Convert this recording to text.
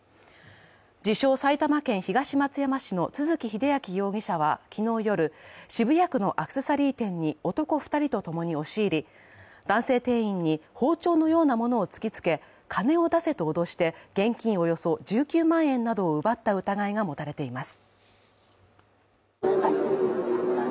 自称・埼玉県東松山市の都築英明容疑者は昨日夜、渋谷区のアクセサリー店に男２人とともに押し入り男性店員に包丁のようなものを突きつけ、金を出せと脅して現金およそ１９万円などを奪った疑いが持たれています。